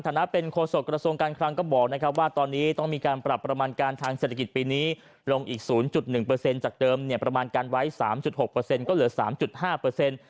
นะเป็นโฆษกระทรวงการคลังก็บอกนะครับว่าตอนนี้ต้องมีการปรับประมาณการทางเศรษฐกิจปีนี้ลงอีก๐หนึ่งเปอร์เซ็นต์จากเดิมเนี่ยประมาณการไว้๓๖ก็เหลือ๓๕เปอร์เซ็นต์